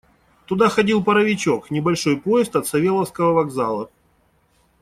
Туда ходил паровичок — небольшой поезд от Савеловского вокзала.